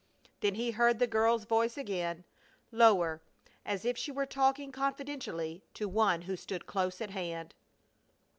Then he heard the girl's voice again, lower, as if she were talking confidentially to one who stood close at hand.